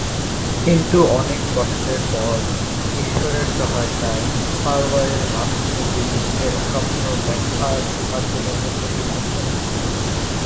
কিন্তু অনেক কষ্টের পর, ঈশ্বরের সহায়তায়, ফারাওয়ের আসন্ন দুর্ভিক্ষের স্বপ্ন ব্যাখ্যার মাধ্যমে উন্নতি লাভ করেন।